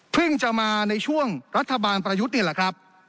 จะมาในช่วงรัฐบาลประยุทธ์นี่แหละครับ